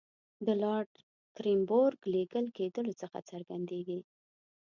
د لارډ کرېنبروک لېږل کېدلو څخه څرګندېږي.